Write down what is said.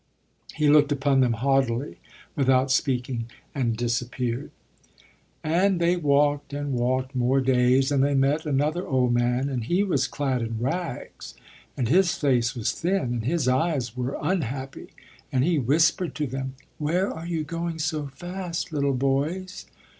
He looked upon them haughtily, without speaking, and disappeared. And they walked and walked more days; and they met another old man. And he was clad in rags; and his face was thin; and his eyes were unhappy. And he whispered to them: "Where are you going so fast, little boys?"